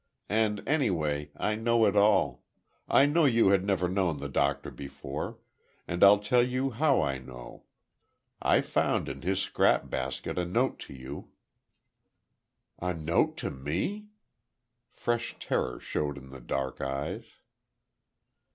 And, anyway, I know it all. I know you had never known the Doctor before, and I'll tell you how I know. I found in his scrap basket a note to you—" "A note to me!" Fresh terror showed in the dark eyes.